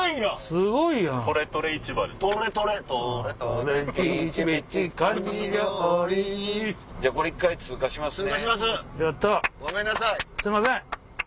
すいません。